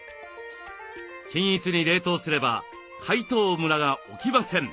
均一に冷凍すれば解凍ムラが起きません。